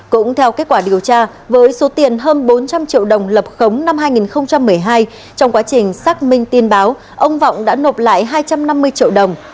cũng theo kết quả điều tra với số tiền hơn bốn trăm linh triệu đồng lập khống năm hai nghìn một mươi hai trong quá trình xác minh tin báo ông vọng đã nộp lại hai trăm năm mươi triệu đồng